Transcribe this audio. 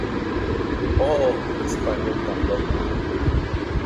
¡ oh!... ¡ qué español tan loco !